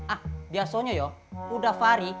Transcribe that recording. ah biasanya ya ustadz fahri